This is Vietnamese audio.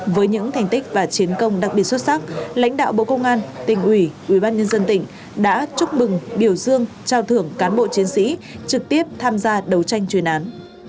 với những thành tích và chiến công đặc biệt xuất sắc lãnh đạo bộ công an tỉnh ủy ubnd tỉnh đã chúc mừng biểu dương trao thưởng cán bộ chiến sĩ trực tiếp tham gia đấu tranh chuyên án